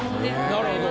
なるほど。